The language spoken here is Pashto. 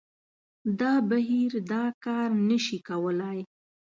دا بهیر دا کار نه شي کولای